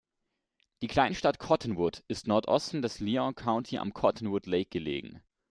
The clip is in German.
Die Kleinstadt Cottonwood ist Nordosten des Lyon County am Cottonwood Lake gelegen.